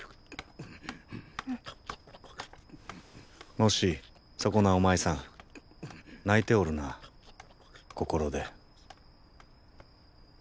もしそこなおまいさん泣いておるな心で。